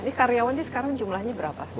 ini karyawan sih sekarang jumlahnya berapa total